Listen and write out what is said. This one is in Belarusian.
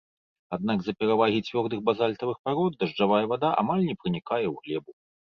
Аднак з-за перавагі цвёрдых базальтавых парод дажджавая вада амаль не пранікае ў глебу.